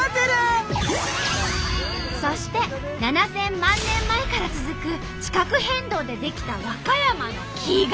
そして７，０００万年前から続く地殻変動で出来た和歌山の奇岩。